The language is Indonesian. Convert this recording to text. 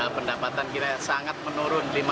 pendapatan kita sangat menurun